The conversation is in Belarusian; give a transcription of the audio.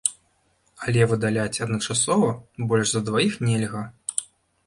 Але выдаляць адначасова больш за дваіх нельга.